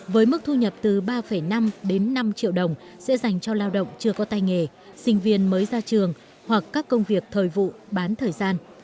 với mức thu nhập từ ba năm đến năm triệu đồng sẽ dành cho lao động chưa có tay nghề sinh viên mới ra trường hoặc các công việc thời vụ bán thời gian